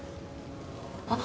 あっ。